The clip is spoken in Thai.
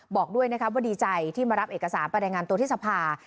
บอกด้วยนะครับว่าดีใจที่มารับเอกสารไปรายงานตัวที่สภา